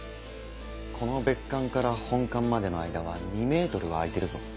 この別館から本館までの間は２ｍは空いてるぞ。